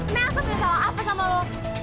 maksudnya salah apa sama lo